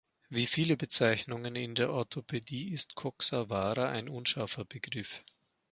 Wie viele Bezeichnungen in der Orthopädie ist „Coxa vara“ ein unscharfer Begriff.